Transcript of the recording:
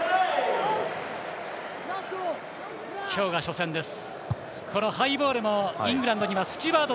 今日が初戦です。